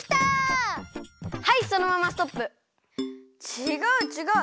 ちがうちがう！